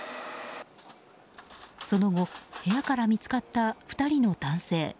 その後、部屋から見つかった２人の男性。